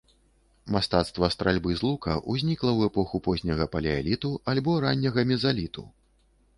Мастацтва стральбы з лука ўзнікла ў эпоху позняга палеаліту альбо ранняга мезаліту.